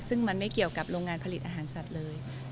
ซึ่งมันไม่เกี่ยวกับโรงงานผลิตอาหารสัตว์เลย